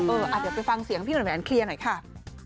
เออเดี๋ยวไปฟังเสียงของพี่หนุนแผนเคลียรหน่อยค่ะ